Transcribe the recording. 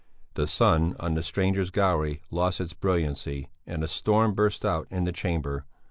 The sun on the strangers' gallery lost its brilliancy and a storm burst out in the Chamber.